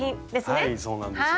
はいそうなんです。